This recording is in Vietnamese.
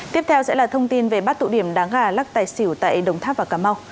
tiếp theo sẽ là thông tin về bắt tụ điểm đá gà lắc tài xỉu tại đồng tháp và cà mau